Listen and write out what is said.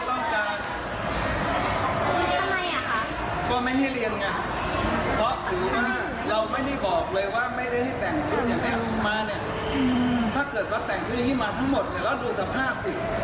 โอเคค่ะงั้นก็กลับ